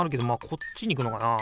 こっちにいくのかな？